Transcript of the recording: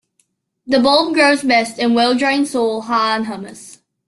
The bulb grows best in well-drained soil high in humus.